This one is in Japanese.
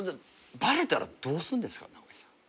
バレたらどうすんですか？